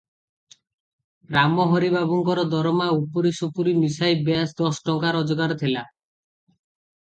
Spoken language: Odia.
ରାମହରି ବାବୁଙ୍କର ଦରମା ଉପୁରି ସୁପୁରି ମିଶାଇ ବେଶ ଦଶଟଙ୍କା ରୋଜଗାର ଥିଲା ।